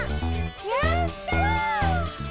やった！